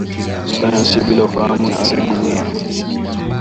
Sayansa bila ufaamu inaaribu dunia